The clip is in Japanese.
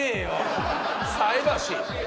菜箸！